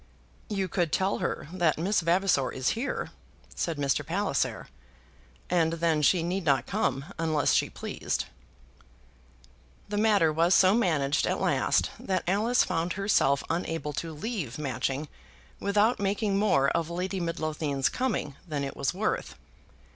"You could tell her that Miss Vavasor is here," said Mr. Palliser. "And then she need not come unless she pleased." The matter was so managed at last that Alice found herself unable to leave Matching without making more of Lady Midlothian's coming than it was worth.